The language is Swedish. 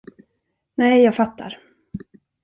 Nej, jag fattar.